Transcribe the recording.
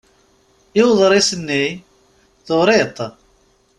I uḍris-nni? Turiḍ-t?